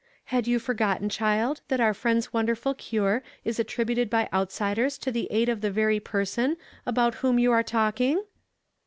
"Had you forgotten, child, tluit our friend's wonderful cure is attri})uted by outsiders to the aid of the veiy person about whom you are talk ing?"